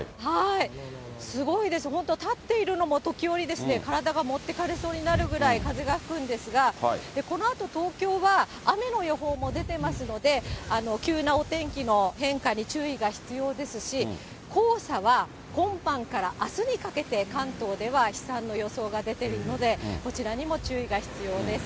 すごいです、本当立っているのも時折、体が持ってかれそうになるぐらい、風が吹くんですが、このあと東京は、雨の予報も出てますので、急なお天気の変化に注意が必要ですし、黄砂は今晩からあすにかけて、関東では飛散の予想が出ているので、こちらにも注意が必要です。